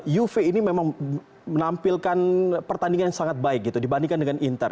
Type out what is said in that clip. juve ini memang menampilkan pertandingan yang sangat baik gitu dibandingkan dengan inter